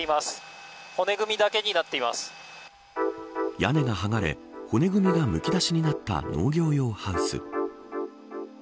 屋根が剥がれ、骨組みがむき出しになった農業用ハウス。